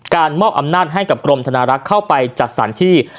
มอบอำนาจให้กับกรมธนารักษ์เข้าไปจัดสรรที่